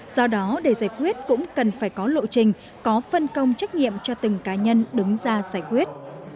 do đó để giải quyết cũng cần phải có lộ trình có phân công trách nhiệm cho từng cá nhân đứng ra giải quyết